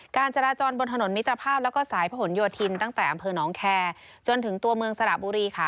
การจราจรบนถนนมิตรภาพแล้วก็สายพระหลโยธินตั้งแต่อำเภอน้องแคร์จนถึงตัวเมืองสระบุรีค่ะ